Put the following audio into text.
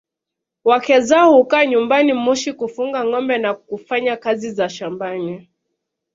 Wake zao hukaa nyumbani Moshi kufuga ngombe na kufanya kazi za shambani